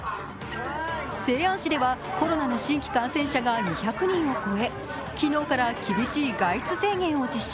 西安市ではコロナの新規感染者が２００人を超え昨日から厳しい外出制限を実施。